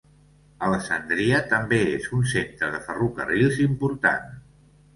Alessandria també és un centre de ferrocarrils important.